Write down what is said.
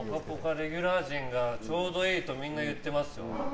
レギュラー陣がちょうどいいとみんな言っています。